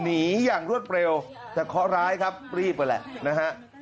หนีอย่างรวดเปรียวแต่เค้าร้ายครับรีบก็แหละนะฮะ